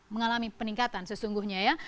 mengalami peningkatan sesungguhnya ya